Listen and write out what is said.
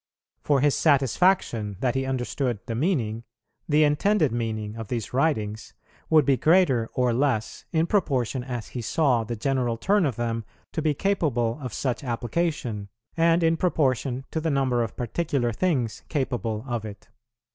For his satisfaction, that he understood the meaning, the intended meaning, of these writings, would be greater or less, in proportion as he saw the general turn of them to be capable of such application, and in proportion to the number of particular things capable of it."